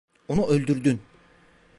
Onu öldürdün.